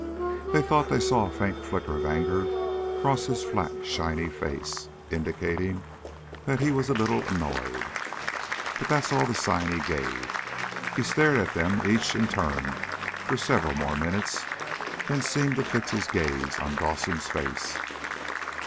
They thought they saw a faint flicker of anger cross his flat, shiny face, indicating that he was a little annoyed. But that's all the sign he gave. He stared at them each in turn for several more minutes, then seemed to fix his gaze on Dawson's face.